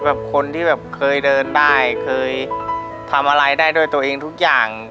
คนที่แบบเคยเดินได้เคยทำอะไรได้ด้วยตัวเองทุกอย่าง